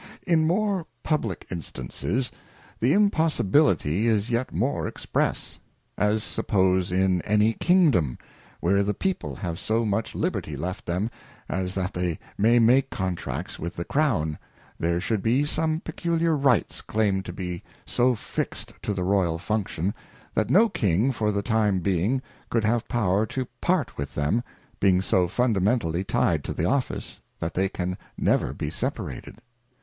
In more publick instances, the impossibility is yet more express ; as suppose in any Kingdom, where the people have so much liberty left them, as that they may make Contracts with the Crown, there should be some peculiar rights claimed to be so fixed to the Royal Function, that no King for the time being could have power to part with them, being so fundamentally tied to the Office, that they can never be separated.